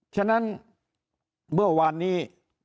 ฉะนั้นเมื่อวานนี้